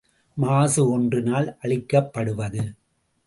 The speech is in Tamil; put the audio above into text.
மாசு ஒன்றினால் அளிக்கப்படுவது.